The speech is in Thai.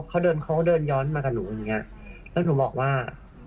เขาเดินเขาเดินย้อนมากับหนูอย่างเงี้ยแล้วหนูบอกว่า